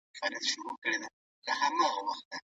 د خاوند حق ولي پر فرض کفايي باندي مخکي دی؟